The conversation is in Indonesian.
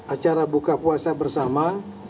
acara buka puasa bersama